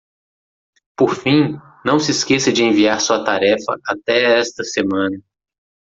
Por fim,? não se esqueça de enviar sua tarefa até esta semana.